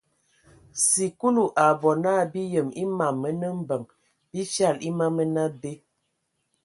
Sikulu a bɔ na bi yem a mam mənə mbəŋ bi fyal e ma mənə abe.